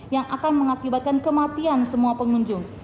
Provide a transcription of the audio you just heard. yang akan mengakibatkan kematian semua pengunjung